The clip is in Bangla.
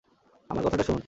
আমার কথাটা শুনুন।